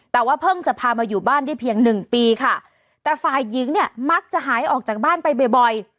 แต่ว่าเพิ่งจะพามาอยู่บ้านได้เพียงหนึ่งปีค่ะแต่ฝ่ายหญิงเนี่ยมักจะหายออกจากบ้านไปบ่อยบ่อย